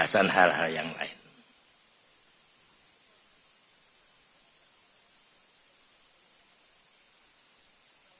jadi bahasanya seberang sesuatu yang sangat council basketball tentang biasanya